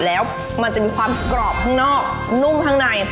แล้วมันจะมีความกรอบข้างนอกนุ่มข้างใน